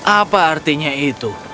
apa artinya itu